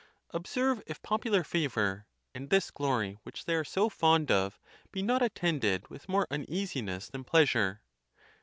Observe if popular favor, and this glory which they are so fond of, be not attended with more uneasiness than pleasure.